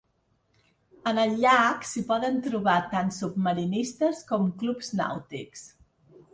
En el llac s'hi poden trobar tant submarinistes com clubs nàutics.